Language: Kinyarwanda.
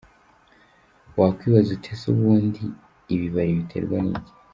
Wakwibaza uti ese ubundi ibibari biterwa n’iki?.